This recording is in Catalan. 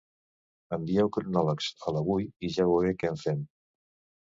Envieu cronòlegs a l'Avui i ja veuré què en fem.